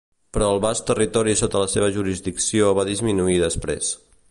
Però el vast territori sota la seva jurisdicció va disminuir després.